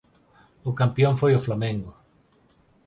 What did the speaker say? O campión foi o Flamengo.